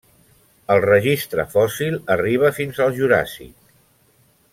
El registre fòssil arriba fins al Juràssic.